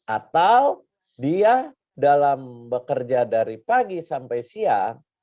atau dia dalam bekerja dari pagi sampai siang